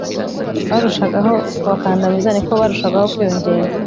barushagaho kubakandamiza ni ko barushagaho kwiyongera